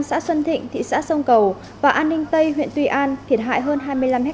xã xuân thịnh thị xã sông cầu và an ninh tây huyện tuy an thiệt hại hơn hai mươi năm hectare